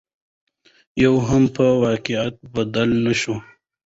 يوه هم په واقعيت بدله نشوه